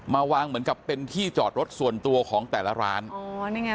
มาวางเหมือนกับเป็นที่จอดรถส่วนตัวของแต่ละร้านอ๋อนี่ไง